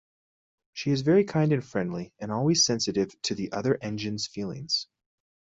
She is very kind and friendly and always sensitive to the other engines' feelings.